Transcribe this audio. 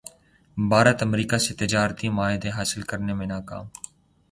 بھارت امریکا سے تجارتی معاہدہ حاصل کرنے میں ناکام